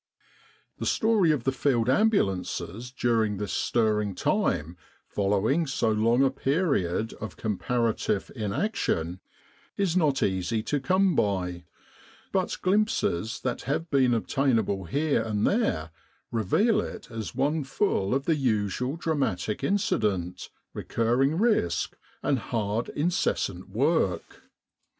The story of the Field Ambulances during this stirring time following so long a period of compara tive inaction, is not easy to come by; but glimpses that have been obtainable here and there reveal it as one full of the usual dramatic incident, recurring risk, and hard incessant work.